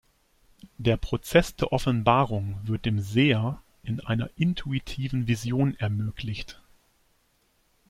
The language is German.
Der Prozess der Offenbarung wird dem Seher in einer intuitiven Vision ermöglicht.